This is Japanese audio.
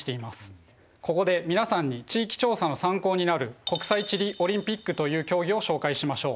ここで皆さんに地域調査の参考になる国際地理オリンピックという競技を紹介しましょう。